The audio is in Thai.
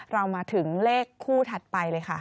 เรามาถึงเลขคู่ถัดไปเลยค่ะ